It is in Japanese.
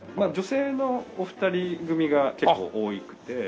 女性のお二人組が結構多くて。